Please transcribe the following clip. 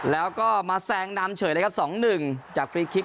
แล้วก็มาแซงนำเฉยเลยครับ๒๑จากฟรีคลิก